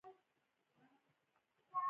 ایا زه باید لیکل وکړم؟